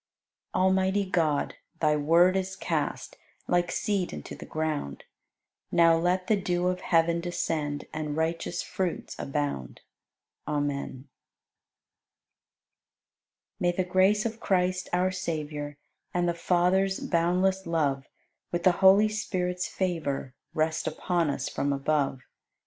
Almighty God, Thy Word is cast Like seed into the ground; Now let the dew of heaven descend And righteous fruits abound. Amen. 90. May the grace of Christ, our Savior, And the Father's boundless love, With the Holy Spirit's favor, Rest upon us from above.